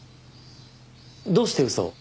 どうして嘘を？